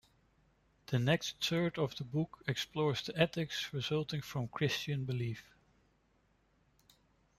The next third of the book explores the ethics resulting from Christian belief.